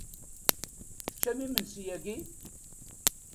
Teččam imensi yagi?